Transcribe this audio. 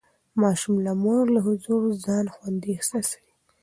ماشوم د مور له حضور ځان خوندي احساسوي.